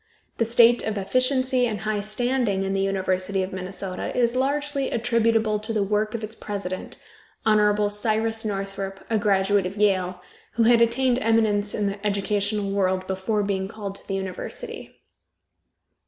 The state of efficiency and high standing of the University of Minnesota is largely attributable to the work of its president, Hon. Cyrus Northrop, a graduate of Yale, who had attained eminence in the educational world before being called to the university.